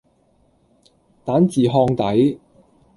蛋治烘底